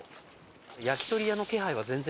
焼き鳥屋の気配は全然。